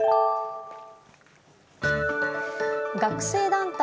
学生団体